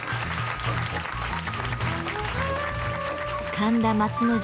神田松之丞